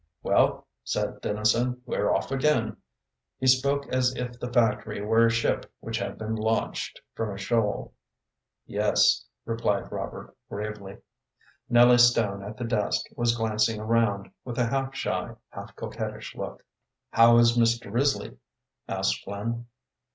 "Well," said Dennison, "we're off again." He spoke as if the factory were a ship which had been launched from a shoal. "Yes," replied Robert, gravely. Nellie Stone, at the desk, was glancing around, with a half shy, half coquettish look. "How is Mr. Risley?" asked Flynn.